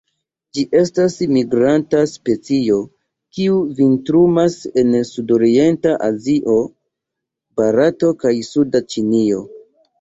Ĝi estas migranta specio, kiu vintrumas en sudorienta Azio, Barato kaj suda Ĉinio.